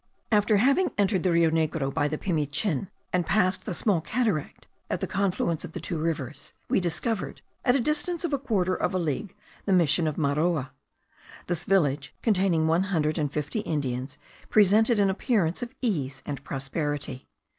After having entered the Rio Negro by the Pimichin, and passed the small cataract at the confluence of the two rivers, we discovered, at the distance of a quarter of a league, the mission of Maroa. This village, containing one hundred and fifty Indians, presented an appearance of ease and prosperity.